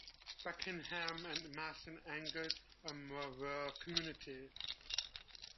Buckingham and Masson-Angers are more rural communities.